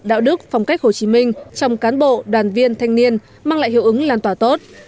đạo đức phong cách hồ chí minh trong cán bộ đoàn viên thanh niên mang lại hiệu ứng lan tỏa tốt